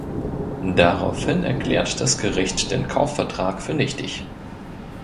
Daraufhin erklärt das Gericht den Kaufvertrag für nichtig.